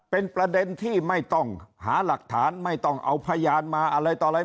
เป็นประเด็นที่ไม่ต้องหาหลักฐานไม่ต้องเอาพยานมาอะไรต่ออะไร